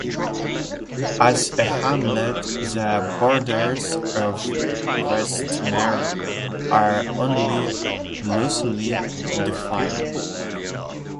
As a hamlet the borders of Westmere are only loosely defined.